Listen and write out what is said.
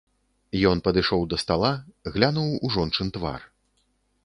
Ён падышоў да стала, глянуў у жончын твар.